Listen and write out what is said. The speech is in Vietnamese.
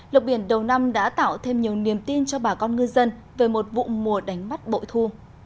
lục biển đầu năm đã tạo thêm nhiều niềm tin cho bà con ngư dân về một vụ mùa đánh bắt bội thu